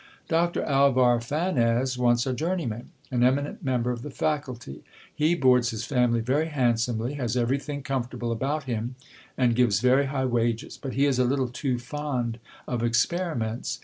Doctor Alvar Fanez wants a journeyman ; an eminent member of the faculty ! He boards his family very handsomely, has everything comfortable about him, and gives very high wages ; but he is a little too fond of experiments.